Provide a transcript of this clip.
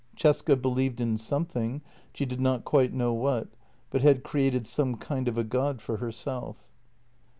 Cesca believed in something — she did not quite know what, but had created some kind of a God for herself.